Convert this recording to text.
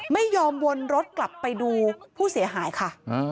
วนรถกลับไปดูผู้เสียหายค่ะ